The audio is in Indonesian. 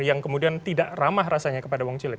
yang kemudian tidak ramah rasanya kepada bang cilik